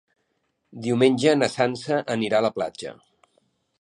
Diumenge na Sança anirà a la platja.